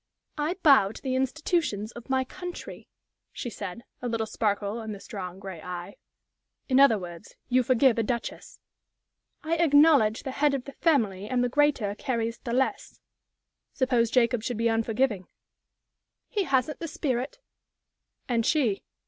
"I bow to the institutions of my country," she said, a little sparkle in the strong, gray eye. "In other words, you forgive a duchess?" "I acknowledge the head of the family, and the greater carries the less." "Suppose Jacob should be unforgiving?" "He hasn't the spirit." "And she?"